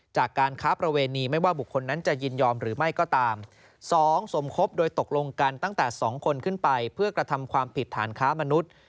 จากการค้าประเวณีไม่ว่าบุคคลนั้นจะยินยอมหรือไม่ก็ตามสองสมคบโดยตกลงกันตั้งแต่๒คนขึ้นไปเพื่อกระทำความผิดฐานค้ามนุษย์